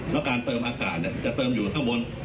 แล้วการเติมอากาศจะเติมอยู่ข้างบน